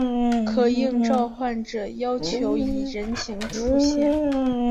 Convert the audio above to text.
可应召唤者要求以人形出现。